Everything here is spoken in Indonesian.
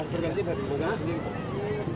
berhenti dari negara sendiri